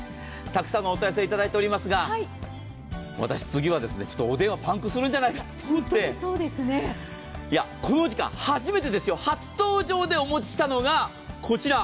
たくさんのお問い合わせをいただいていますが、私、次はお電話パンクするんじゃないかと思われるんですが、このお時間、初めてですよ、初登場でお持ちしたのがこちら。